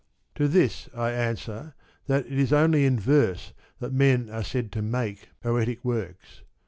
To this I answer that it is only in verse that men are said to * make ' poetic works.